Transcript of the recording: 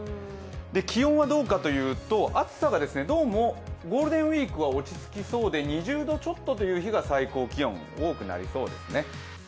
気温はどうかというと暑さがどうもゴールデンウイークは落ち着きそうで２０度ちょっとという日が最高気温多くなりそうです。